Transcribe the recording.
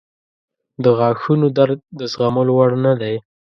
• د غاښونو درد د زغملو وړ نه دی.